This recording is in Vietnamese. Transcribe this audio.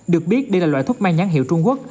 được biết đây là loại thuốc mang nhãn hiệu trung quốc